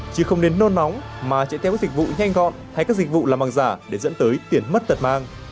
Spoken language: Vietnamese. chứ không nên nôn nóng mà chạy theo các dịch vụ nhanh gọn hay các dịch vụ làm bằng giả để dẫn tới tiền mất tật mang